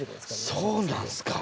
そうなんすか。